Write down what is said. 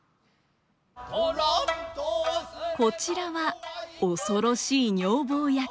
こちらは恐ろしい女房役。